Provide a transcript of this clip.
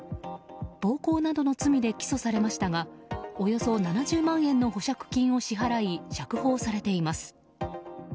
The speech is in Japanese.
暴行などの罪で起訴されましたがおよそ７０万円の保釈金を支払い釈放されています。